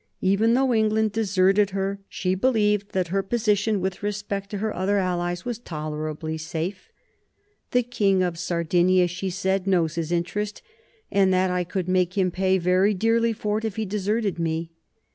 Even though England deserted her, she believed that her position with respect to her other allies was tolerably safe. " The King of Sardinia," she said, " knows his interest, and that I could make him pay too dearly for it if he deserted me."